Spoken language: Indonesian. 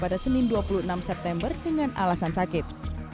pada senin dua puluh enam september dengan alasan sakit